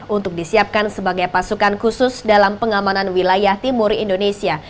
untuk disiapkan sebagai pasukan khusus dalam pengamanan wilayah timur indonesia